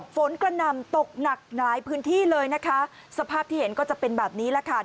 ฝนกระนำตกหนักหลายพื้นที่เลยสภาพที่เห็นก็จะเป็นแบบนี้แล้ว